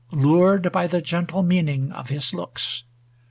Lured by the gentle meaning of his looks.